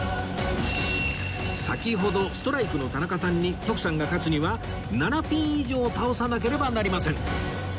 先ほどストライクの田中さんに徳さんが勝つには７ピン以上倒さなければなりません